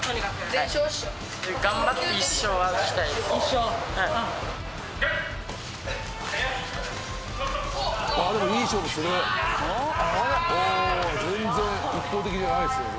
全然一方的じゃないですよ。